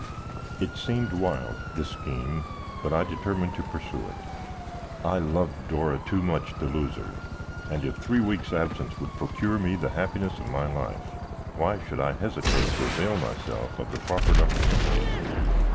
It seemed wild, this scheme, but I determined to pursue it. I loved Dora too much to lose her, and if three weeks' absence would procure me the happiness of my life, why should I hesitate to avail myself of the proffered opportunity.